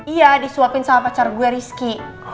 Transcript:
iya disuapin sama pacar gue rizky